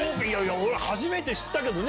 俺初めて知ったけどね